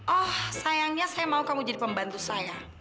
oh sayangnya saya mau kamu jadi pembantu saya